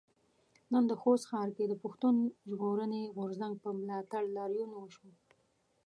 نن د خوست ښار کې د پښتون ژغورنې غورځنګ په ملاتړ لاريون وشو.